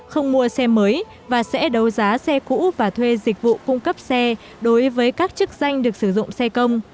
không mua xe mới và sẽ đấu giá xe cũ và thuê dịch vụ cung cấp xe đối với các chức danh được sử dụng xe công